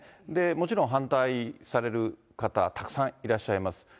もちろん、反対される方、たくさんいらっしゃいます。